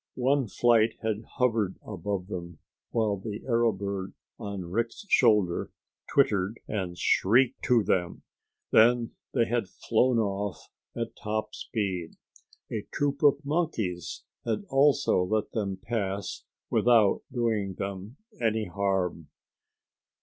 One flight had hovered above them while the arrow bird on Rick's shoulder twittered and shrieked to them. Then they had flown off at top speed. A troop of monkeys had also let them pass without doing them any harm.